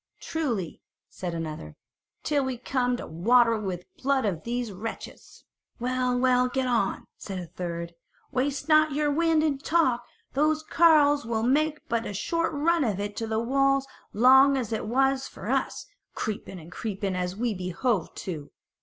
"Truly," said another, "till we come to water it with the blood of these wretches." "Well, well, get on," said a third, "waste not your wind in talk; those carles will make but a short run of it to the walls long as it was for us, creeping and creeping as we behoved to."